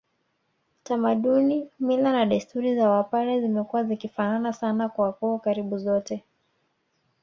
Tamaduni mila na desturi za wapare zimekuwa zikifanana sana kwa koo karibu zote